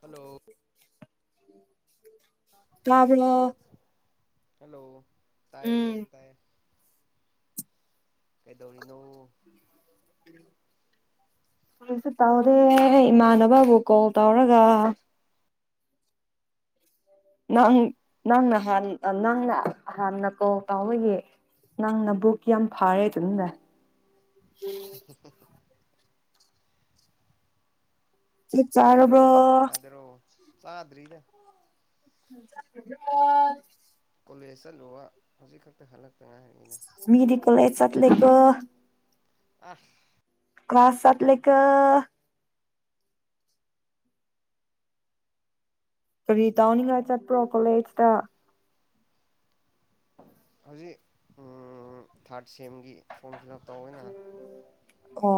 hello ꯂꯥꯕꯔꯂꯣ hello ꯎꯝ ꯇꯥꯏꯌꯦ ꯇꯥꯏ ꯀꯩꯗꯧꯔꯤꯅꯣ ꯀꯔꯤꯁꯨ ꯇꯧꯗꯦ ꯏꯃꯥꯟꯅꯕꯕꯨ ꯀꯣꯜ ꯇꯧꯔꯒ ꯅꯪ ꯅꯪꯅꯥ ꯍꯟ ꯅꯪꯅ ꯍꯥꯟꯅ ꯀꯣꯜ ꯇꯧꯕꯒꯤ ꯅꯪ ꯅꯕꯨꯛ ꯀꯤꯌꯥꯝ ꯐꯥꯔꯦ [unintelligible] [unintelligible] ꯆꯥꯛ ꯆꯥꯔꯕꯣ ꯌꯨꯝꯗꯔꯣ ꯀꯥꯏꯗꯔꯣ ꯆꯥꯗ꯭ꯔꯤꯗ [unintelligible] ꯀꯣꯂꯦꯖ ꯆꯠꯂꯨꯕ ꯍꯧꯖꯤꯛ ꯈꯛꯇ ꯍꯜꯂꯛꯇꯥ ꯉꯥꯏꯔꯤꯅꯦ ꯃꯤꯗꯤ ꯀꯣꯂꯦꯖ ꯆꯠꯂꯦꯀꯣ ꯑꯁ ꯀ꯭ꯂꯥꯁ ꯆꯠꯂꯤꯀꯣ ꯀꯔꯤ ꯇꯧꯅꯤꯡꯉꯥꯏ ꯆꯠꯄ꯭ꯔꯣ ꯀꯣꯂꯦꯖꯇꯥ ꯍꯧꯖꯤꯛ ꯎꯝ ꯊꯥꯔꯠ ꯁꯦꯝꯒꯤ ꯐꯣꯔꯝ ꯐꯤꯜ ꯎꯞ ꯇꯧꯋꯦꯅ ꯀꯣ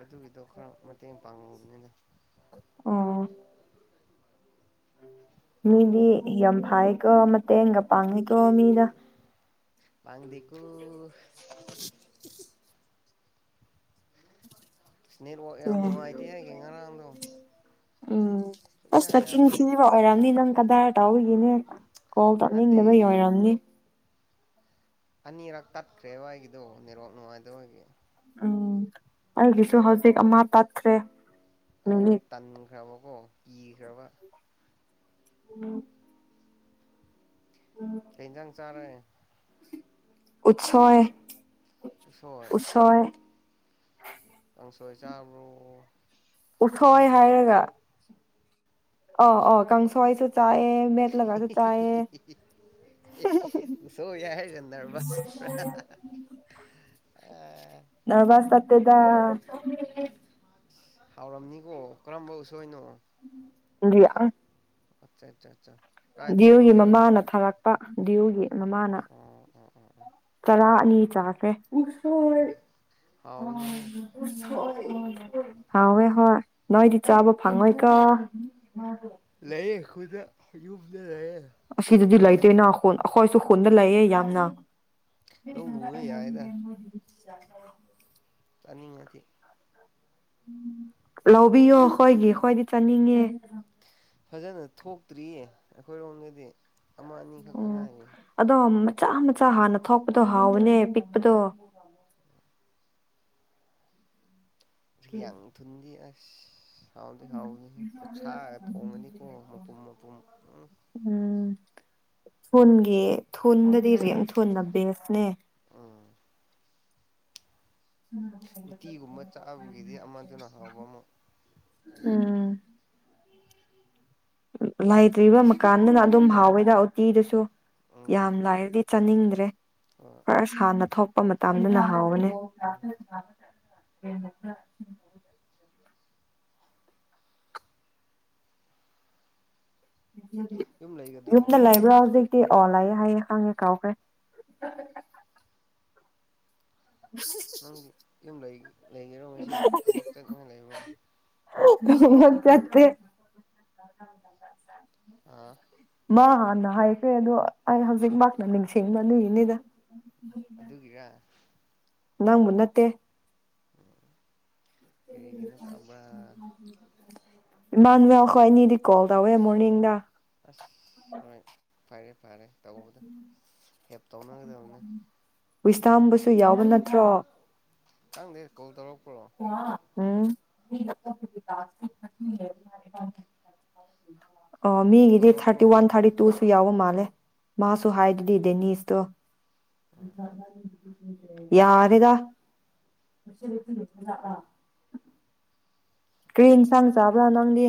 ꯑꯗꯨꯒꯤꯗꯣ ꯈꯔ ꯃꯇꯦꯡ ꯄꯥꯡꯉꯨꯕꯅꯤꯅ ꯑꯣ ꯃꯤꯗꯤ ꯌꯥꯝ ꯐꯥꯏꯌꯦꯀꯣ ꯃꯇꯦꯡꯒ ꯄꯥꯡꯉꯤꯀꯣ ꯃꯤꯗ ꯄꯥꯡꯗꯦꯀꯣ ꯅꯦꯠꯋꯥꯛ ꯌꯥꯝ ꯎꯝ ꯅꯨꯡꯉꯥꯏꯇꯦꯍꯦ ꯑꯩꯒꯤ ꯉꯔꯥꯡꯗꯣ ꯎꯝ ꯁꯨꯛꯌꯥ ꯑꯁ ꯌꯥꯗꯕ ꯅꯆꯤꯟꯊꯤꯕ ꯑꯣꯏꯔꯝꯅꯤ ꯅꯪ ꯀꯗꯥꯏ ꯇꯧꯕꯒꯤꯅꯦ ꯀꯣꯜ ꯅꯠꯇꯦ ꯇꯧꯅꯤꯡꯗꯕꯩ ꯌꯣꯏꯔꯝꯅꯤ ꯑꯅꯤꯔꯛ ꯇꯠꯈ꯭ꯔꯦ ꯑꯩꯒꯤꯗꯣ ꯅꯦꯠꯋꯥꯛ ꯅꯨꯉꯥꯏꯇꯕꯒꯤ ꯑꯧ ꯑꯩꯒꯤꯁꯨ ꯍꯧꯖꯤꯛ ꯑꯃ ꯇꯠꯈ꯭ꯔꯦ ꯑꯗꯨꯒꯤ ꯅꯨꯃꯤꯠ ꯇꯟꯈ꯭ꯔꯕꯀꯣ ꯀꯤꯈ꯭ꯔꯕ ꯎꯝ ꯎꯝ ꯀꯩ ꯖꯥꯡꯆꯥꯔꯦ ꯎꯠꯁꯣꯏ ꯎꯁꯣꯏ ꯍꯣꯏ ꯀꯥꯡꯁꯣꯏ ꯆꯥꯕ꯭ꯔꯣ ꯎꯠꯊꯣꯛ ꯃꯦꯠꯂꯒ ꯍꯥꯏꯔꯒ ꯑ ꯑꯣ ꯀꯥꯡꯁꯣꯏꯁꯨ ꯆꯥꯏꯌꯦ ꯃꯦꯠꯂꯥꯒꯁꯨ ꯆꯥꯏꯌꯦ ꯎꯁꯣꯏ ꯍꯥꯏꯔꯒ ꯅꯕ꯭ꯔꯁ ꯆꯠꯄ꯭ꯔꯥ ꯅꯕ꯭ꯔꯁ ꯆꯠꯇꯦꯗ ꯍꯥꯎꯔꯝꯅꯤꯀꯣ ꯀꯔꯝꯕ ꯎꯁꯣꯏꯅꯣ ꯏꯗꯤ ꯑꯪ ꯑꯆꯥ ꯆꯥ ꯆꯥ ꯗꯤꯌꯨꯒꯤ ꯃꯃꯥꯅ ꯊꯥꯔꯛꯄ ꯗꯤꯌꯨꯒꯤ ꯃꯃꯥꯅ ꯑꯥ ꯆꯔꯥ ꯑꯅꯤ ꯆꯥꯥꯈ꯭ꯔꯦ ꯎꯁꯣꯏ ꯍꯥꯎꯅꯦꯍꯦ ꯍꯥꯎꯌꯦ ꯍꯣꯏ ꯅꯣꯏꯗꯤ ꯆꯥꯕ ꯐꯪꯉꯣꯏ ꯀꯣ ꯃꯗꯣ ꯂꯩ ꯑꯈꯣꯏꯗ ꯌꯨꯝꯗ ꯂꯩ ꯑꯁꯤꯗꯗꯤ ꯂꯩꯇꯦꯅ ꯈꯨꯟ ꯑꯈꯣꯏꯁꯨ ꯈꯨꯟꯗ ꯂꯩꯌꯦ ꯌꯥꯝꯅ ꯂꯧꯔꯨꯕ ꯌꯥꯏꯗ [unintelligible] ꯆꯥꯅꯤꯡꯉꯗꯤ ꯂꯧꯕꯤꯌꯣ ꯈꯣꯏꯒꯤ ꯈꯣꯏꯗꯤ ꯆꯥꯅꯤꯡꯉꯦ ꯐꯖꯅ ꯊꯣꯛꯇ꯭ꯔꯤꯌꯦ ꯑꯈꯣꯏꯔꯣꯝꯗꯗꯤ ꯑꯃ ꯑꯅꯤ ꯈꯛꯇ ꯎꯝ ꯉꯥꯏꯔꯤ ꯑꯗꯣ ꯃꯆꯥ ꯃꯆꯥ ꯍꯥꯟꯅ ꯊꯣꯛꯄꯗꯣ ꯍꯥꯎꯕꯅꯦ ꯑꯄꯤꯛꯄꯗꯣ ꯊꯨꯏꯌꯥꯡ ꯊꯨꯟꯗꯤ ꯑꯁ ꯍꯥꯎꯗꯤ ꯍꯥꯎꯕꯅꯦꯍꯦ ꯑꯣꯛꯁꯥꯒ ꯊꯣꯡꯉꯗꯤꯀꯣ ꯃꯄꯨꯝ ꯃꯄꯨꯝ ꯎꯝ ꯎꯝ ꯊꯨꯟꯒꯤ ꯊꯨꯗꯗꯤ ꯔꯦꯡꯊꯨꯟꯅ ꯕꯦꯁꯅꯦ ꯎꯝ ꯎꯇꯤꯒꯨꯝꯕ ꯆꯥꯕꯒꯤꯗꯤ ꯑꯃꯗꯨꯅ ꯍꯥꯎꯕ ꯑꯃ ꯎꯝ ꯂꯩꯇ꯭ꯔꯤꯕ ꯃꯀꯥꯟꯗꯅ ꯑꯗꯨꯝ ꯍꯥꯎꯋꯦꯗ ꯎꯇꯤꯗꯨꯁꯨ ꯌꯥꯝ ꯂꯥꯏꯔꯗꯤ ꯆꯥꯅꯤꯡꯗ꯭ꯔꯦ ꯍꯣ ꯑꯩ ꯁꯥꯟꯅ ꯊꯣꯛꯄ ꯃꯇꯝꯗꯅ ꯍꯥꯎꯒꯅꯤ ꯌꯨꯝ ꯂꯩꯒꯗ꯭ꯔꯣ ꯌꯨꯝꯗ ꯂꯩꯕ꯭ꯔꯥ ꯍꯧꯖꯤꯛꯇꯤ ꯑꯣ ꯂꯥꯛꯑꯦ ꯍꯥꯏꯌꯦ ꯈꯪꯉꯦ ꯀꯥꯎꯈ꯭ꯔꯦ [inaudible] ꯅꯪꯒꯤ ꯌꯨꯝ ꯂꯩ ꯂꯩꯒꯦꯔꯣ ꯉꯁꯤ ꯊꯕꯛ ꯆꯠꯅ ꯂꯩꯕ꯭ꯔꯣ ꯆꯠꯇꯦ ꯑꯥ ꯃꯥ ꯍꯥꯟꯅ ꯍꯥꯏꯈ꯭ꯔꯦ ꯑꯗꯣ ꯑꯩ ꯍꯧꯖꯤꯛꯃꯛꯅ ꯅꯤꯡꯁꯤꯡꯅꯗꯤꯏꯅꯤꯗ ꯑꯗꯨꯒꯤꯔ ꯅꯪꯕꯨ ꯅꯠꯇꯦ [unintelligible] ꯑꯩꯒꯤ ꯂꯨꯄꯥꯟ ꯇꯥꯕ꯭ꯔꯥ ꯍꯥꯡꯍꯧꯒꯦꯗꯦ ꯏꯃꯥꯅꯤꯌꯥ ꯑꯩꯈꯣꯏꯅꯤꯗꯤ ꯀꯣꯜ ꯇꯧꯋꯦ ꯃꯣꯔꯅꯤꯡꯗ ꯑꯁ ꯍꯣꯏ ꯐꯔꯦ ꯐꯔꯦ ꯇꯧꯕꯗꯣ ꯍꯦꯞ ꯇꯧꯅꯒꯗꯕꯅꯦ ꯋꯤꯁꯇꯥꯝꯕꯨꯁꯨ ꯌꯥꯎꯕ ꯅꯠꯇ꯭ꯔꯣ ꯈꯪꯗꯦ ꯀꯣꯜ ꯇꯧꯔꯛꯄ꯭ꯔꯣ ꯎꯝ ꯑꯣ ꯀꯣꯜ ꯃꯤꯒꯤꯗꯤ ꯇꯧꯔꯛꯄ꯭ꯔꯣ ꯊꯥꯔꯇꯤ ꯋꯥꯟ ꯍꯧꯖꯤꯛꯇ ꯊꯥꯔꯇꯤ ꯇꯨꯁꯨ ꯌꯥꯎꯕ ꯃꯥꯜꯂꯦ ꯃꯥꯁꯨ ꯍꯥꯏꯗꯨꯗꯤ ꯗꯦꯅꯤꯁꯇꯣ ꯎꯝ ꯌꯥꯔꯦꯗ ꯀ꯭ꯔꯤ ꯏꯟꯁꯥꯡ ꯆꯥꯕ꯭ꯔꯥ ꯅꯪꯗꯤ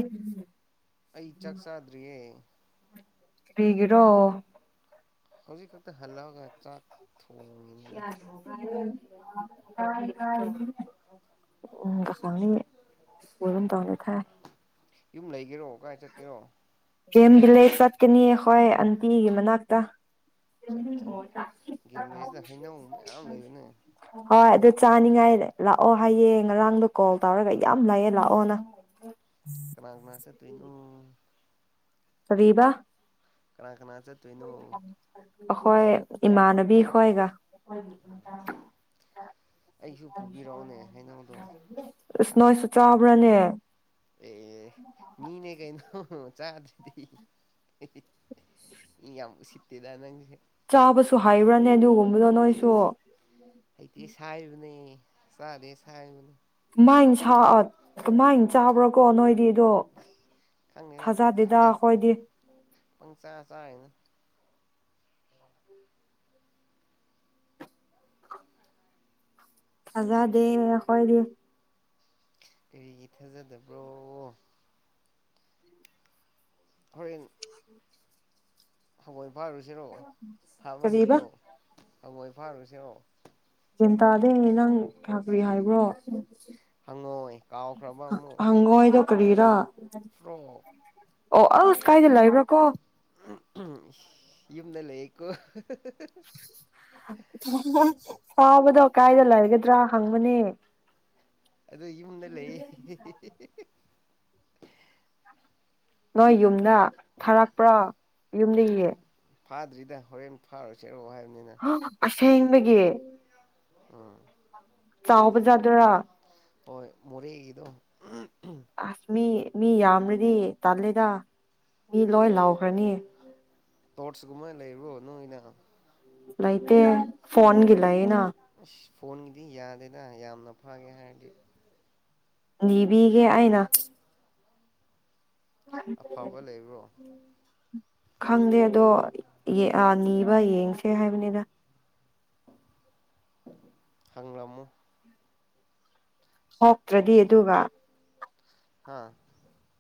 ꯑꯩ ꯆꯥꯛ ꯆꯥꯗ꯭ꯔꯤꯌꯦ ꯀꯔꯤꯒꯤꯔꯣ ꯍꯧꯖꯤꯛ ꯈꯛꯇ ꯍꯜꯂꯛꯑꯒ ꯆꯥꯛ ꯊꯣꯡ [unintelligible] ꯎꯝ [unintelligible] ꯌꯨꯝ ꯂꯩꯒꯦꯔꯣ ꯀꯥꯏ ꯆꯠꯀꯦꯔꯣ ꯀꯦꯝ ꯕꯤꯂꯦꯖ ꯆꯠꯀꯅꯤ ꯑꯍꯣꯏ ꯑꯟꯇꯤꯒꯤ ꯃꯅꯥꯛꯇ ꯆꯠ ꯆꯥ ꯒꯦꯝ ꯕꯤꯂꯦꯖꯇ ꯍꯩꯅꯧ ꯃꯌꯥꯝ ꯂꯩꯕꯅꯦ ꯍꯣꯏ ꯑꯗꯨ ꯆꯥꯅꯤꯡꯉꯥꯏ ꯂꯥꯛꯑꯣ ꯍꯥꯏꯌꯦ ꯉꯔꯥꯡꯗꯣ ꯀꯣꯜ ꯇꯧꯔꯒ ꯌꯥꯝ ꯂꯩꯌꯦ ꯂꯥꯛꯑꯣꯅ ꯀꯅꯥ ꯀꯅꯥ ꯆꯠꯇꯣꯏꯅꯣ ꯀꯔꯤꯕꯥ ꯀꯅꯥ ꯀꯅꯥ ꯆꯠꯇꯣꯏꯅꯣ ꯑꯈꯣꯏ ꯏꯃꯥꯟꯅꯕꯤ ꯈꯣꯏꯒ ꯑꯩꯁꯨ ꯄꯨꯕꯤꯔꯛꯑꯣꯅꯦ ꯍꯥꯏꯩꯅꯧꯗꯣ ꯑꯁ ꯅꯣꯏꯁꯨ ꯆꯥꯕ꯭ꯔꯥꯅꯦ ꯑꯦ ꯃꯤꯅꯦ ꯀꯩꯅꯣ ꯆꯥꯗ꯭ꯔꯥꯗꯤ ꯏ ꯌꯥꯝ ꯎꯁꯤꯠꯇꯦꯗꯥ ꯅꯪꯖꯦ ꯆꯥꯕꯁꯨ ꯍꯩꯕ꯭ꯔꯅꯦ ꯑꯗꯨꯒꯨꯝꯕꯗꯣ ꯅꯣꯏꯁꯨ ꯑꯦ ꯍꯩꯇꯦ ꯁꯥꯏꯕꯅꯦ ꯆꯥꯗꯦ ꯁꯥꯏꯕꯅꯦ ꯀꯃꯥꯏꯟ ꯁꯥ ꯑꯥ ꯀꯃꯥꯏꯅ ꯆꯥꯕ꯭ꯔꯥ ꯀꯣ ꯅꯣꯏꯗꯤꯗꯣ ꯈꯪꯗꯦꯗ ꯊꯥꯖꯗꯦꯗ ꯈꯣꯏꯗꯤ ꯄꯪ ꯆꯥ ꯆꯥ [unintelligible] ꯊꯖꯥ ꯗꯦ ꯑꯈꯣꯏꯗꯤ ꯀꯔꯤꯒꯤ ꯊꯥꯖꯗꯕ꯭ꯔꯣ ꯍꯣꯔꯦꯟ ꯍꯉꯣꯏ ꯐꯥꯔꯨꯁꯤꯔꯣ ꯐꯥꯕ ꯀꯔꯤꯕ ꯍꯩꯕ꯭ꯔꯣ ꯍꯉꯣꯏ ꯐꯥꯔꯨꯁꯤꯔꯣ ꯒ꯭ꯌꯥꯟ ꯇꯥꯗꯦ ꯅꯪ ꯀꯌꯥ ꯀꯔꯤ ꯍꯥꯏꯕ꯭ꯔꯣ ꯍꯪꯉꯣꯏ ꯀꯥꯎꯈ꯭ꯔꯕ ꯍꯥ ꯍꯪꯉꯣꯏꯗꯣ ꯀꯔꯤꯔꯥ ꯐꯔꯣꯒ ꯑꯣ ꯑꯁ ꯀꯥꯏꯗ ꯂꯩꯕ꯭ꯔꯣ ꯀꯣ ꯎꯝ ꯏꯁ ꯌꯨꯝꯗ ꯂꯩꯌꯦꯀꯣ ꯐꯥꯕꯗꯣ ꯀꯥꯏꯗ ꯂꯩꯒꯗ꯭ꯔꯥ ꯍꯪꯕꯅꯦ ꯑꯗꯣ ꯌꯨꯝꯗ ꯂꯩꯌꯦ ꯅꯣꯏ ꯌꯨꯝꯅ ꯐꯥꯔꯛꯄ꯭ꯔꯣ ꯌꯨꯝꯗꯒꯤ ꯐꯥꯗ꯭ꯔꯤꯗ ꯍꯣꯔꯦꯟ ꯐꯥꯔꯨꯁꯦꯔꯣ ꯍꯥꯏꯕꯅꯤꯅ ꯑꯁꯦꯡꯕꯒꯤ ꯎꯝ ꯆꯥꯎꯕ ꯖꯥꯗꯨꯔꯥ ꯍꯣꯏ ꯃꯣꯔꯦꯒꯤꯗꯣ ꯑꯁ ꯃꯤ ꯃꯤ ꯌꯥꯝꯔꯗꯤ ꯇꯜꯂꯦꯗ ꯃꯤ ꯂꯣꯏ ꯂꯥꯎꯈ꯭ꯔꯅꯤ ꯇꯣꯔꯆ ꯒꯨꯝꯕ ꯂꯩꯕ꯭ꯔꯣ ꯅꯣꯏꯅ ꯂꯩꯇꯦ ꯐꯣꯟꯒꯤ ꯂꯩꯌꯦꯅ ꯑꯁ ꯐꯣꯟꯒꯤꯗꯤ ꯌꯥꯗꯦꯗ ꯌꯥꯝꯅ ꯐꯥꯒꯦ ꯍꯥꯏꯔꯗꯤ ꯅꯤꯕꯤꯒꯦ ꯑꯩꯅ ꯑꯐꯕ ꯂꯩꯕ꯭ꯔꯣ ꯈꯪꯗꯦ ꯑꯗꯣ ꯌꯦ ꯑꯥ ꯅꯤꯕ ꯌꯦꯡꯁꯦ ꯍꯥꯏꯕꯅꯤꯗ ꯍꯪꯔꯝꯃꯣ ꯍꯣꯞ ꯇꯣꯠꯆꯇꯣ ꯍꯥꯥ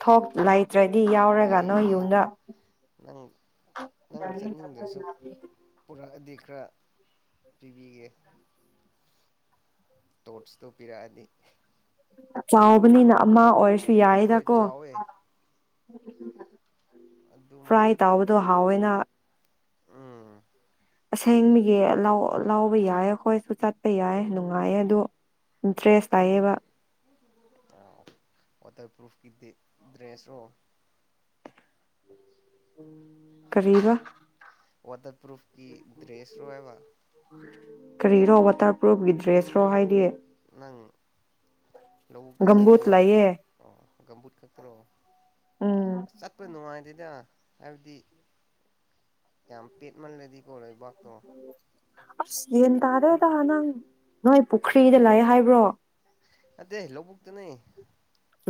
ꯊꯣꯛ ꯂꯩꯇ꯭ꯔꯗꯤ ꯌꯥꯎꯔꯒ ꯅꯣꯏ ꯌꯨꯝꯗ ꯅꯪ ꯅꯪ ꯆꯠꯅꯤꯡꯗ꯭ꯔꯁꯨ ꯄꯨꯔꯛꯑꯗꯤ ꯈꯔ ꯄꯤꯕꯤꯒꯦ ꯇꯣꯠꯆꯇꯣ ꯄꯤꯔꯛꯑꯗꯤ ꯆꯥꯎꯕꯅꯤꯅ ꯑꯃ ꯑꯣꯏꯔꯁꯨ ꯍꯣꯏ ꯌꯥꯏꯌꯦꯗꯀꯣ ꯆꯥꯎꯋꯦ ꯐ꯭ꯔꯥꯏ ꯑꯗꯨꯝ ꯇꯕꯗꯣ ꯍꯥꯎꯋꯦꯅ ꯎꯝ ꯑꯁꯦꯡ ꯃꯤꯒꯤ ꯂꯧ ꯂꯥꯎꯕ ꯌꯥꯏꯌꯦ ꯑꯩꯈꯣꯏꯁꯨ ꯆꯠꯄ ꯌꯥꯏꯌꯦ ꯅꯨꯡꯉꯥꯏꯌꯦ ꯑꯗꯨ ꯗ꯭ꯔꯦꯁ ꯇꯥꯌꯦꯕ ꯑ ꯋꯥꯇꯔ ꯄ꯭ꯔꯨꯐꯀꯤꯗꯤ ꯗ꯭ꯔꯦꯁꯔꯣ [inaudible] ꯀꯔꯤꯕ ꯋꯥꯇꯔ ꯄ꯭ꯔꯨꯐꯀꯤ ꯗ꯭ꯔꯦꯁ ꯔꯣ ꯍꯥꯏꯕ ꯀꯔꯤꯔꯣ ꯋꯥꯇꯔ ꯄ꯭ꯔꯨꯐꯀꯤ ꯗ꯭ꯔꯦꯁꯔꯣ ꯍꯥꯏꯗꯤ ꯅꯪ ꯂꯧꯕꯨꯛꯇ ꯒꯝꯕꯨꯠ ꯆꯠꯅꯤꯡꯉꯥꯏ ꯂꯩꯌꯦ ꯑꯣ ꯒꯝꯕꯨꯠ ꯈꯛꯇꯔꯣ ꯎꯝ ꯑꯁ ꯆꯠꯄ ꯅꯨꯡꯉꯥꯏꯗꯦꯗ ꯍꯥꯏꯕꯗꯤ ꯌꯥꯝ ꯄꯦꯠꯃꯜꯂꯗꯤꯀꯣ ꯂꯩꯕꯥꯛꯇꯣ ꯑꯁ ꯌꯦꯟ ꯇꯥꯗꯦꯗ ꯅꯪ ꯅꯣꯏ ꯄꯨꯈ꯭ꯔꯤꯗ ꯂꯩ ꯍꯥꯏꯕ꯭ꯔꯣ ꯅꯠꯇꯦ ꯂꯧꯕꯨꯛꯇꯅꯦ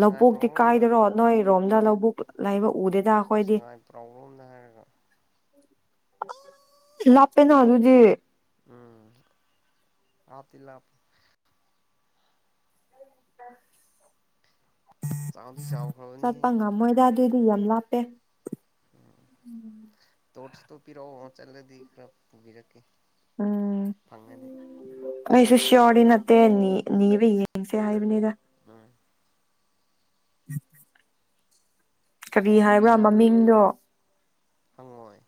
ꯂꯧꯕꯨꯛꯇꯤ ꯁꯉꯥꯏꯄ꯭ꯔꯧꯔꯣꯝꯗ ꯀꯥꯏꯗꯔꯣ ꯅꯣꯏꯔꯣꯝꯗ ꯂꯧꯕꯨꯛ ꯂꯥꯏꯕ ꯎꯗꯦꯗ ꯑꯩꯈꯣꯏꯗꯤ ꯁꯉꯥꯏꯄ꯭ꯔꯧꯔꯣꯝꯗ ꯍꯥꯏꯔꯒ [unintelligible] ꯂꯥꯞꯄꯦꯅ ꯑꯗꯨꯨꯗꯤ ꯎꯝ ꯂꯥꯞꯇꯤ ꯂꯥꯞ ꯆꯥꯎꯗꯤ ꯆꯥꯎꯈ꯭ꯔꯕꯅꯤꯍꯦ ꯆꯠꯄ ꯉꯝꯃꯣꯏꯗ ꯑꯗꯨꯗꯤ ꯌꯥꯝ ꯂꯥꯞꯄꯦ ꯎꯝ ꯇꯣꯔꯆꯇꯣ ꯄꯤꯔꯛꯑꯣ ꯆꯠꯂꯗꯤ ꯈꯔ ꯄꯨꯕꯤꯔꯛꯀꯦ ꯎꯝ ꯐꯪꯉꯗꯤ ꯑꯩꯁꯨ ꯁꯤꯌꯣꯔꯗꯤ ꯅꯠꯇꯦ ꯅꯤ ꯅꯤꯕ ꯌꯦꯡꯁꯦ ꯍꯥꯏꯕꯅꯤꯗ ꯑꯥ [unintelligible] ꯀ꯭ꯔꯤ ꯍꯥꯏꯕ꯭ꯔꯥ ꯅꯣꯡ ꯃꯃꯤꯡꯗꯣ ꯍꯪꯉꯣꯏ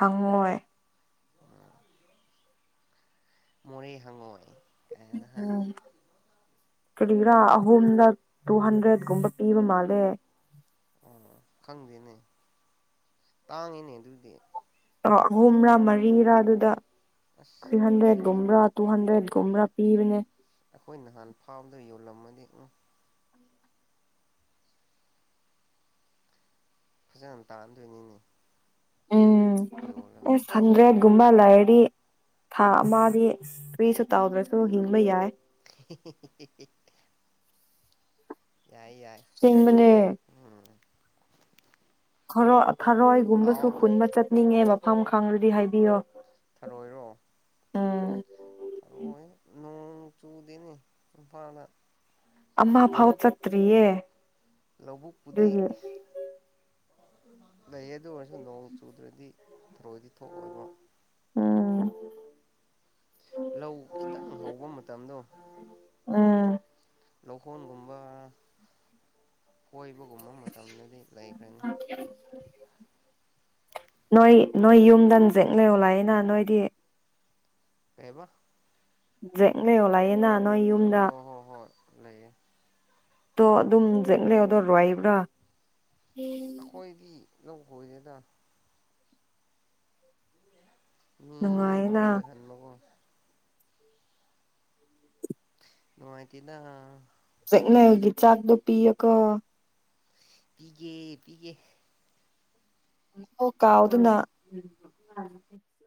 ꯍꯪꯉꯣꯏ ꯃꯣꯔꯦ ꯍꯪꯉꯣꯏ ꯀꯥꯏꯅ ꯍꯥ ꯎꯝ ꯀ꯭ꯔꯤꯔꯥ ꯑꯍꯨꯝꯂꯛ ꯇꯨ ꯍꯟꯗ꯭ꯔꯦꯠꯀꯨꯝꯕ ꯄꯤꯕ ꯃꯥꯜꯂꯦ ꯑꯣ ꯈꯪꯗꯦꯅꯦ ꯇꯥꯡꯉꯤꯅꯦ ꯑꯗꯨꯗꯤ ꯑꯍꯨꯝꯔꯥ ꯃꯔꯤꯔꯥ ꯑꯗꯨꯗ ꯑꯁ ꯊ꯭ꯔꯤ ꯍꯟꯗ꯭ꯔꯦꯠꯒꯨꯝꯕꯔꯥ ꯇꯨ ꯍꯟꯗ꯭ꯔꯦꯠꯒꯨꯝꯕꯔꯥ ꯄꯤꯕꯅꯦ ꯑꯩꯈꯣꯏ ꯅꯍꯥꯟ ꯐꯥꯎꯕꯗ ꯌꯣꯜꯂꯝꯃꯗꯤ ꯎꯝ ꯐꯖꯅ ꯇꯥꯟꯗꯣꯏꯅꯤꯅꯦ ꯎꯝ ꯌꯣꯜꯂꯒ ꯑꯦꯁ ꯍꯟꯗ꯭ꯔꯦꯠꯒꯨꯝꯕ ꯂꯩꯔꯗꯤ ꯊꯥ ꯑꯃꯗꯤ ꯀ꯭ꯔꯤꯁꯨ ꯇꯥꯎꯗ꯭ꯔꯁꯨ ꯍꯤꯡꯕ ꯌꯥꯏ [unintelligible] ꯌꯥꯏ ꯌꯥꯏ ꯆꯤꯡꯕꯅꯦ ꯎꯝ ꯊꯔꯣ ꯊꯔꯣꯏꯒꯨꯝꯕꯁꯨ ꯍꯥꯎꯗꯤ ꯈꯨꯟꯕ ꯆꯠꯅꯤꯡꯉꯦ ꯃꯐꯝ ꯈꯪꯉꯗꯤ ꯍꯥꯏꯕꯤꯌꯣ ꯊꯔꯣꯏꯔꯣ ꯎꯝ ꯊꯔꯣꯏ ꯅꯣꯡ ꯆꯨꯗꯦꯅꯦ ꯏꯝꯐꯥꯜꯗ ꯑꯃ ꯐꯥꯎ ꯂꯧꯕꯨꯛ ꯆꯠꯇ꯭ꯔꯤꯌꯦ ꯂꯧꯕꯨꯛꯄꯨꯗꯤ ꯑꯗꯨꯒꯤ ꯂꯩꯌꯦ ꯑꯗꯨ ꯑꯣꯏꯔꯁꯨ ꯅꯣꯡ ꯆꯨꯗ꯭ꯔꯗꯤ ꯊꯔꯣꯏꯗꯤ ꯊꯣꯛꯑꯣꯏꯕ ꯎꯝ ꯂꯧ ꯈꯤꯇꯪ ꯍꯧꯕ ꯃꯇꯝꯗꯣ ꯎꯝ ꯂꯧꯍꯣꯟꯒꯨꯝꯕ ꯀꯣꯏꯕꯒꯨꯝꯕ ꯃꯇꯝꯗꯗꯤ ꯂꯩꯈ꯭ꯔꯅꯤ ꯅꯣꯏ ꯅꯣꯏ ꯌꯨꯝꯗ [unintelligible] ꯂꯥꯛꯏꯅ ꯅꯣꯏꯗꯤ ꯀꯩꯑꯥꯕ ꯖꯦꯛ ꯅꯦꯌꯣꯟ ꯂꯥꯛꯏꯅ ꯅꯣꯏ ꯌꯨꯝ ꯍꯣꯏ ꯍꯣꯏ ꯍꯣꯏ ꯂꯩꯌꯦ ꯇꯣ ꯑꯗꯨꯝ ꯖꯦꯛ ꯂꯤꯌꯣꯗꯣ ꯔꯣꯏꯕ꯭ꯔꯥ ꯑꯩꯈꯣꯏꯗꯤ ꯂꯧ ꯈꯣꯏꯗꯦꯗ ꯃꯤꯉꯣꯟꯗ ꯅꯨꯡꯉꯥꯏꯌꯦꯅ ꯈꯣꯏꯍꯟꯕꯀꯣ ꯅꯨꯡꯉꯥꯏꯇꯦꯅ ꯆꯦꯛꯅꯦꯜꯒꯤ ꯆꯥꯛꯇꯣ ꯄꯤꯌꯨꯀꯣ ꯄꯤꯒꯦ ꯄꯤꯒꯦ ꯑꯃꯨꯛ ꯀꯥꯎꯗꯅ